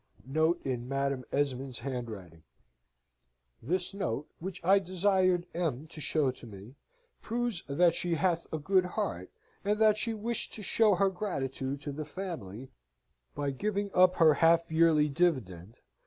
Note in Madam Esmond's Handwriting "This note, which I desired M. to show to me, proves that she hath a good heart, and that she wished to show her gratitude to the family, by giving up her half yearly divd.